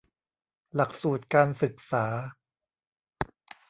หลักสูตรการศึกษา